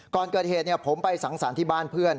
ก่อนเกิดเหตุผมไปสังสรรค์ที่บ้านเพื่อน